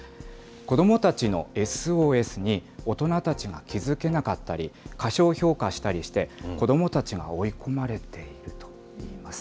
子どもたちのＳＯＳに大人たちが気付けなかったり、過小評価したりして、子どもたちが追い込まれているといいます。